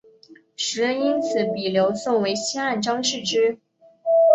时人因此比刘颂为西汉张释之。